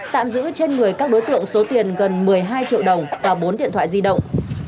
tạm giữ trên người các đối tượng số tiền gần một mươi hai triệu đồng và bốn điện thoại di động